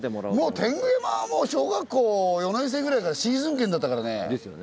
天狗山はもう小学校４年生ぐらいからシーズン券だったからね。ですよね。